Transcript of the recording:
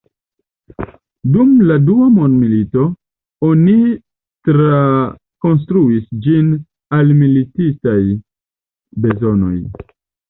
Dum la dua mondmilito, oni trakonstruis ĝin al militistaj bezonoj.